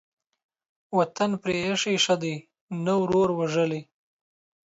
وطن پرې ايښى ښه دى ، نه ورور وژلى.